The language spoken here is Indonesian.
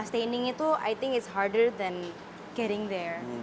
lebih sulit daripada mengembangkan